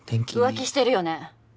浮気してるよね？